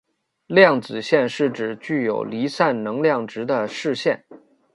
量子阱是指具有离散能量值的势阱。